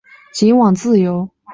仅往自由路方向双向